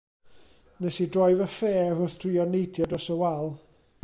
Wnes i droi fy ffêr wrth drio neidio dros y wal.